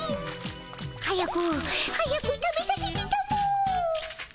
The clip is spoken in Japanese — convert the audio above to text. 早く早く食べさせてたも。